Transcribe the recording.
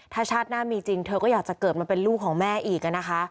ถ้าชาติหน้ามีจริงเธอก็อยากจะเกิดมาเป็นลูกของแม่อีกนะคะ